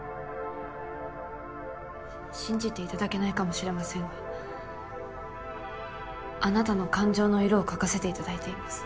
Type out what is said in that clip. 信じていただけないかもしれませんがあなたの感情の色を描かせていただいています。